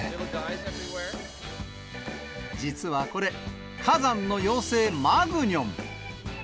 実はこれ、火山の妖精、マグニョン。